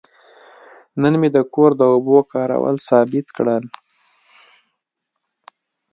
نن مې د کور د اوبو کارول ثابت کړل.